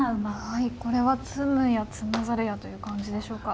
はいこれは詰むや詰まざるやという感じでしょうか。